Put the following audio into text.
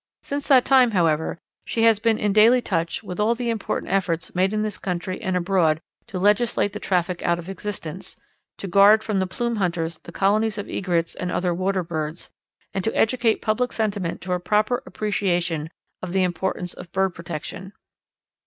Since that time, however, she has been in daily touch with all the important efforts made in this country and abroad to legislate the traffic out of existence, to guard from the plume hunters the colonies of Egrets and other water birds, and to educate public sentiment to a proper appreciation of the importance of bird protection.